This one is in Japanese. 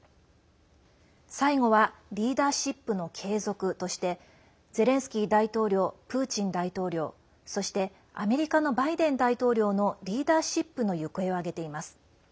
最後はリーダーシップの継続としてゼレンスキー大統領プーチン大統領そしてアメリカのバイデン大統領のリーダーシップの行方を挙げています。